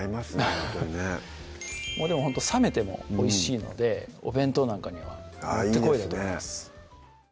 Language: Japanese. ほんとにねでもほんと冷めてもおいしいのでお弁当なんかにはもってこいだと思います